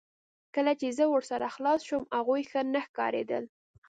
کله چې زه ورسره خلاص شوم هغوی ښه نه ښکاریدل